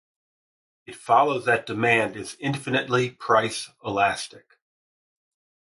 It follows that demand is infinitely price-elastic.